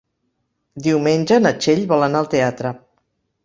Diumenge na Txell vol anar al teatre.